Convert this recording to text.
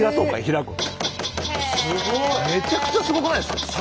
めちゃくちゃすごくないですか？